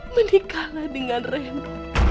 menikahlah dengan reno